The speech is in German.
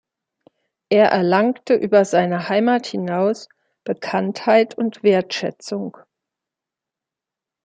Er erlangte über seine Heimat hinaus Bekanntheit und Wertschätzung.